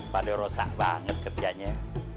padahal rosak banget kerjanya